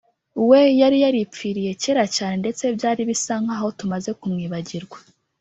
we yari yaripfiriye kera cyane ndetse byari bisa nkaho tumaze kumwibagirwa